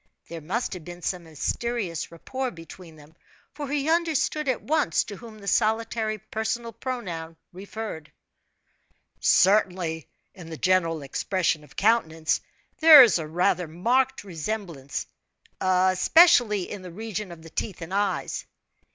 There must have been some mysterious rapport between them, for he understood at once to whom the solitary personal pronoun referred. "Certainly, in the general expression of countenance there is rather a marked resemblance, especially in the region of the teeth and eyes."